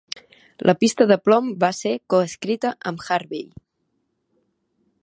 La pista de plom va ser co-escrita amb Harvey.